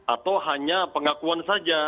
atau hanya pengakuan saja